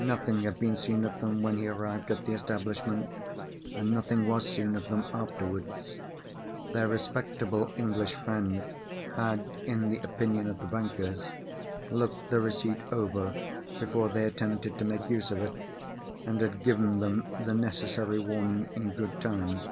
Nothing had been seen of them when he arrived at the establishment, and nothing was seen of them afterwards. Their respectable English friend had (in the opinion of the bankers) looked the receipt over before they attempted to make use of it, and had given them the necessary warning in good time.